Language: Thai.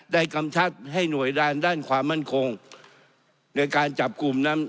กำชับให้หน่วยด้านความมั่นคงในการจับกลุ่มนั้น